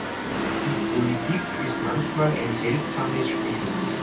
Die Politik ist manchmal ein seltsames Spiel.